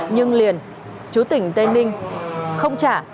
nhưng liền chú tỉnh tây ninh không trả